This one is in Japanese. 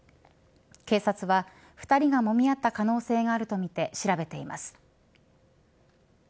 警察は２人がもみ合った可能性があるとみて調べています。